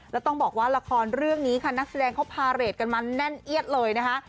แล้วต้องบอกว่าละครเรื่องนี้ค่ะนักแสดงเขาพาเรทกันมาแน่นเอียดเลยนะคะ